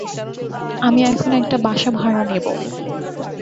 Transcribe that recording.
আমি এখন একটা বাসা ভাড়া নেব।